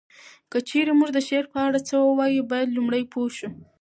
که چیري مونږ د شعر په اړه څه ووایو باید لومړی پوه شو